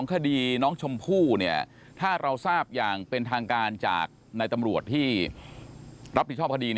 ของสมบัติกรรมคาร์ที่รับติดตามคดี